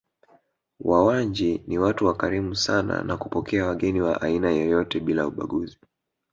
Wawanji ni watu wakarimu sana na kupokea wageni wa aina yoyote bila ubaguzi